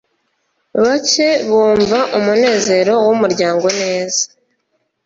bake bumva umunezero wumuryango neza